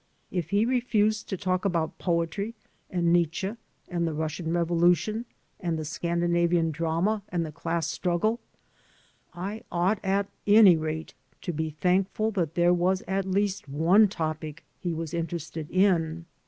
If he refused to talk about poetry and Nietzsche and the Russian revolution and the Scandinavian drama and the class struggle, I ought, at any rate, to be thankful that there was at least one topic he was interested in.